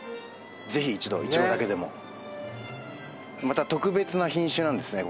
ぜひ一度イチゴだけでもねっまた特別な品種なんですね